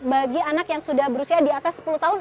bagi anak yang sudah berusia di atas sepuluh tahun